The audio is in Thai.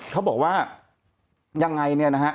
เป็นว่ายังนี่นะครับ